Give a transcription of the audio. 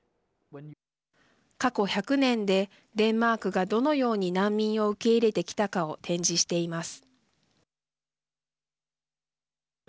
過去１００年でデンマークがどのように難民を受け入れてきたかを展示しています。